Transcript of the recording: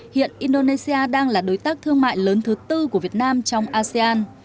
hiện indonesia đang là đối tác thương mại lớn thứ tư của việt nam trong asean